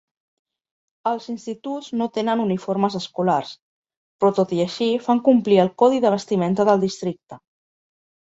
Els instituts no tenen uniformes escolars, però tot i així fan complir el codi de vestimenta del districte.